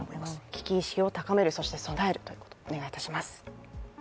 危機意識を高める、そして備えるということをお願いします。